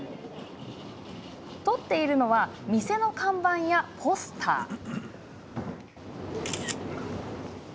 撮っているのは店の看板やポスター。